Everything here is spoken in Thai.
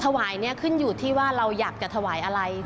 ถวายเนี่ยขึ้นอยู่ที่ว่าเราอยากจะถวายอะไร